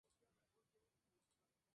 Se practica el esquí en la cabecera del río.